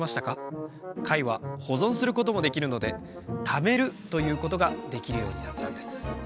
かいはほぞんすることもできるのでためるということができるようになったんです。